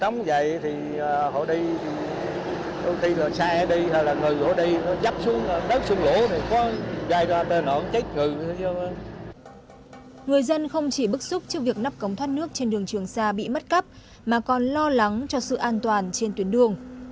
người dân không chỉ bức xúc trước việc nắp cống thoát nước trên đường trường xa bị mất cắp mà còn lo lắng cho sự an toàn trên tuyến đường